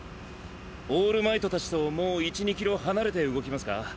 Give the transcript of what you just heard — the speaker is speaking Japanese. オールマイト達ともう１２キロ離れて動きますか？